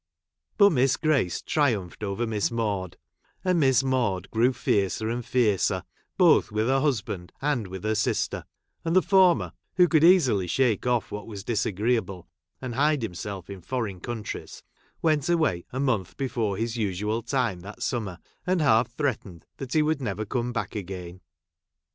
But Miss Grace triumphed over Miss Maude, and Miss Maude grew fiercer and fiercei", both with her husband and with her sister ; and the former — who could easily shake off what was disagreeable, and hide himself in foreign countries — went away a month before his usual time that summer, and half threatened that he would never come back again.